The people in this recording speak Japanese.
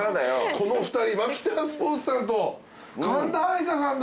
この２人マキタスポーツさんと神田愛花さんだ。